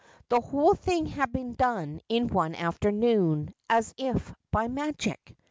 The whole thing had been done in one afternoon, is if by magic.